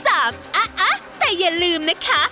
๑๒๓อะอะแต่อย่าลืมนะคะ